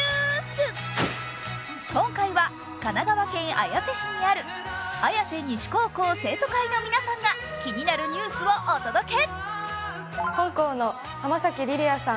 今回は神奈川県綾瀬市にある綾瀬西高校生徒会の皆さんが気になるニュースをお届け。